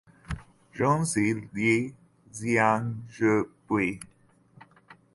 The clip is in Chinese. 君子以自强不息